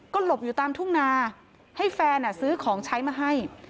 ก็หลบอยู่ตามทุ่งนาให้แฟนซื้อของใช้มาให้